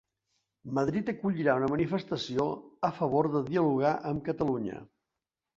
Madrid acollirà una manifestació a favor de dialogar amb Catalunya